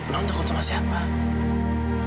non takut sama siapa